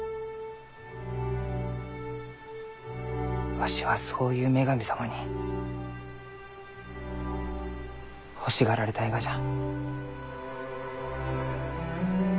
わしはそういう女神様に欲しがられたいがじゃ。